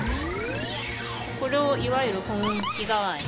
これをいわゆる保温器代わりに。